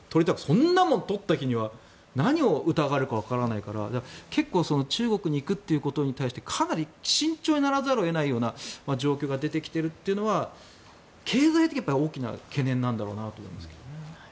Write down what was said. そんなもの撮った日には何を疑われるかわからないから結構中国に行くということに対してかなり慎重にならざるを得ない状況が出てきているというのは大きな懸念なんだろうなと思いますけどね。